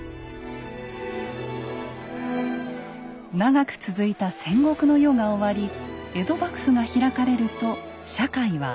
長く続いた戦国の世が終わり江戸幕府が開かれると社会は安定。